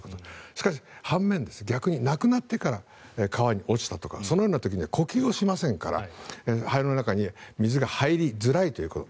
しかし、逆に亡くなってから川に落ちたとかそのような時には呼吸をしませんから、肺の中に水が入りづらいということ。